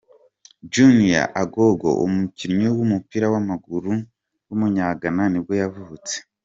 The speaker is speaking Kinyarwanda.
Junior Agogo, umukinnyi w’umupira w’amaguru w’umunyagana nibwo yavutse.